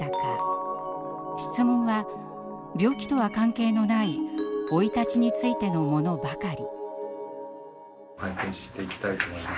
質問は病気とは関係のない生い立ちについてのものばかり。